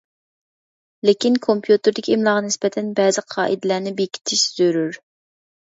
لېكىن كومپيۇتېردىكى ئىملاغا نىسبەتەن بەزى قائىدىلەرنى بېكىتىش زۆرۈر.